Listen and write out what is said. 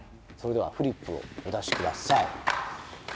それではフリップをお出し下さい。